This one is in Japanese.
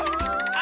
あ